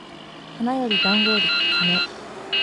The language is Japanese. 花より団子より金